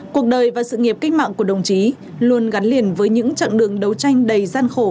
cuộc đời và sự nghiệp cách mạng của đồng chí luôn gắn liền với những chặng đường đấu tranh đầy gian khổ